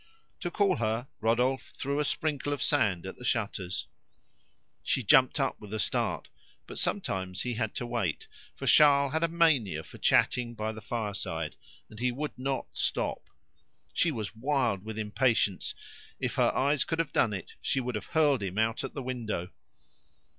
To call her, Rodolphe threw a sprinkle of sand at the shutters. She jumped up with a start; but sometimes he had to wait, for Charles had a mania for chatting by the fireside, and he would not stop. She was wild with impatience; if her eyes could have done it, she would have hurled him out at the window.